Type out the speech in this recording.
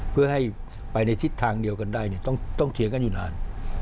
เพื่อให้ไปในทิศทางเดียวกันได้ต้องเถียงกันอยู่นาน